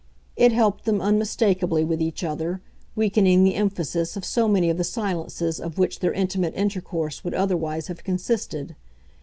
It helped them, unmistakably, with each other, weakening the emphasis of so many of the silences of which their intimate intercourse would otherwise have consisted.